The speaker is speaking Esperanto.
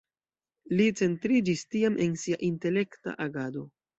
Li centriĝis tiam en sia intelekta agado.